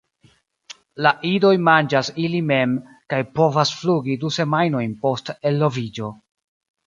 La idoj manĝas ili mem kaj povas flugi du semajnojn post eloviĝo.